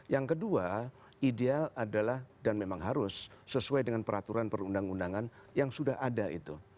yang kedua ideal adalah dan memang harus sesuai dengan peraturan perundang undangan yang sudah ada itu